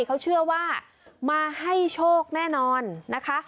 เขาเชื่อว่ามาให้โชคแน่นอนนะคะ